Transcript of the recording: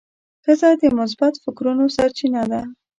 ښځه د مثبت فکرونو سرچینه ده.